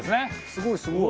すごいすごい。